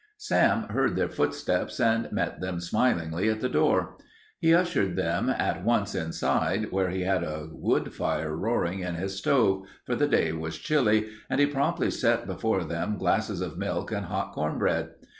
Sam heard their footsteps and met them smilingly at the door. He ushered them at once inside, where he had a wood fire roaring in his stove, for the day was chilly, and he promptly set before them glasses of milk and hot corn bread.